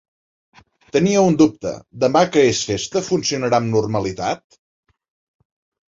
Tenia un dubte, demà que és festa, funcionarà amb normalitat?